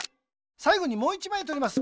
さいごにもう１まいとります。